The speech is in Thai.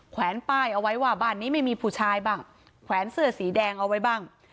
แวนป้ายเอาไว้ว่าบ้านนี้ไม่มีผู้ชายบ้างแขวนเสื้อสีแดงเอาไว้บ้าง